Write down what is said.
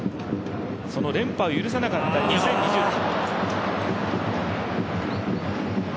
その連覇を許さなかった２０２０年。